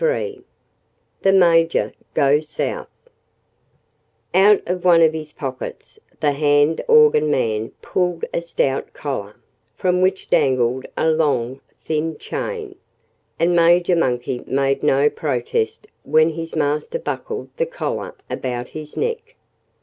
XXIII The Major Goes South Out of one of his pockets the hand organ man pulled a stout collar, from which dangled a long, thin chain. And Major Monkey made no protest when his master buckled the collar about his neck.